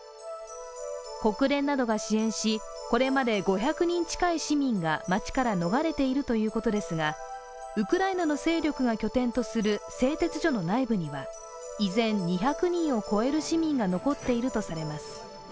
国連などが支援しこれまで５００人近い市民が街から逃れているということですが、ウクライナの勢力が拠点とする製鉄所の内部には依然、２００人を超える市民が残っているとされます。